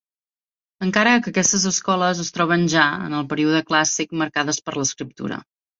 Encara que aquestes escoles es troben ja, en el període clàssic, marcades per l'escriptura.